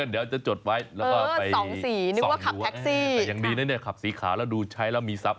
แต่ยังดีนะขับสีขาวแล้วดูใช้แล้วมีทรัพย์